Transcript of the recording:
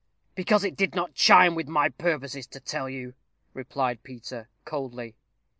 "Because it did not chime with my purposes to tell you," replied Peter, coldly.